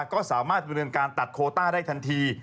ก็สามารถบรรยาการตัดโควต้าได้ทันที